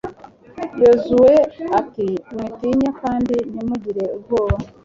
yozuwe ati mwitinya kandi ntimugire ubwoba